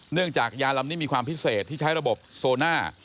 เนื่องจากยาลำนี้มีความพิเศษที่ใช้ระบบโซน่า